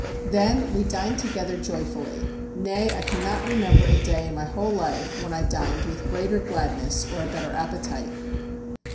Then we dined together joyfully: nay, I cannot remember a day in my whole life when I dined with greater gladness or a better appetite.